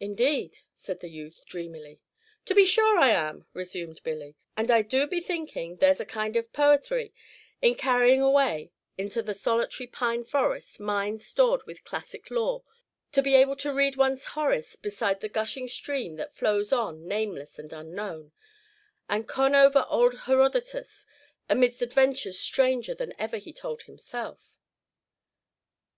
"Indeed!" said the youth, dreamily. "To be sure I am," resumed Billy; "and I do be thinking there 's a kind of poethry in carrying away into the solitary pine forest minds stored with classic lore, to be able to read one's Horace beside the gushing stream that flows on nameless and unknown, and con over ould Herodotus amidst adventures stranger than ever he told himself."